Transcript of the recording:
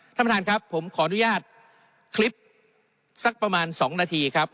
ท่านประธานครับผมขออนุญาตคลิปสักประมาณ๒นาทีครับ